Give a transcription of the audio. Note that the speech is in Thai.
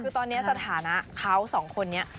คือตอนนี้สถานะเขาสองคนนี้